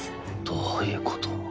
どういうこと？